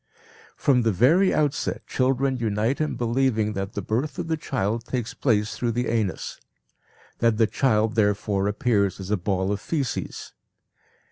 From the very outset children unite in believing that the birth of the child takes place through the anus; that the child therefore appears as a ball of faeces.